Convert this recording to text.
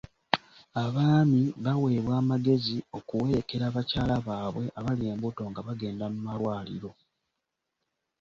Abaami baaweebwa amagezi okuwerekera bakyala baabwe abali embuto nga bagenda mu malwaliro.